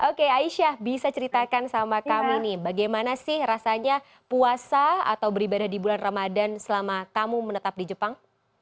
oke aisyah bisa ceritakan sama kami nih bagaimana sih rasanya puasa atau beribadah di bulan ramadan selama kamu menetap di jepang